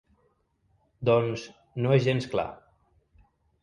Doncs, no és gens clar.